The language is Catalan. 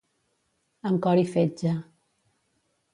Amb cor i fetge.